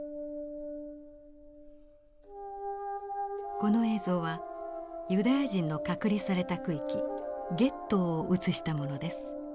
この映像はユダヤ人の隔離された区域ゲットーを映したものです。